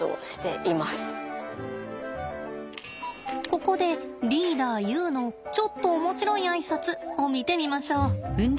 ここでリーダーユウのちょっと面白いあいさつを見てみましょう。